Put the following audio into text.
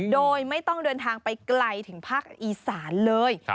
โดยไม่ต้องเดินทางไปไกลถึงภาคอีสานเลย